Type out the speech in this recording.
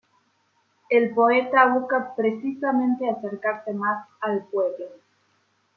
El poeta buscaba precisamente acercarse más al pueblo.